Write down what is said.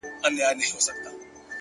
فکر د انسان داخلي نړۍ جوړوي!.